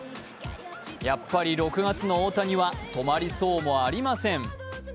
やっぱり６月の大谷は止まりそうもありません。